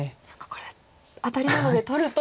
これアタリなので取ると。